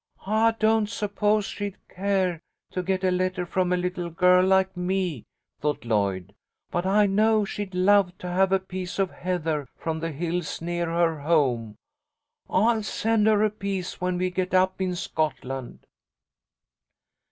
"I don't suppose she'd care to get a letter from a little girl like me," thought Lloyd, "but I know she'd love to have a piece of heather from the hills near her home. I'll send her a piece when we get up in Scotland."